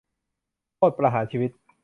โทษประหารชีวิต